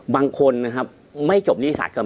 บางคนครับไม่จบหนี้สัตว์ก็มี